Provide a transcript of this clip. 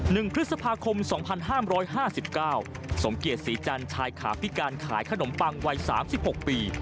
หนึ่งพฤษภาคมสองพันห้ามร้อยห้าสิบเก้าสมเกียจศรีจันทร์ชายขาพิการขายขนมปังวัยสามสิบหกปี